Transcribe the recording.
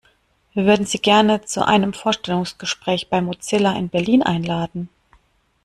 Wir würden Sie gerne zu einem Vorstellungsgespräch bei Mozilla in Berlin einladen!